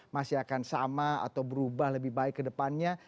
masih akan sama atau berubah lebih baik ke depannya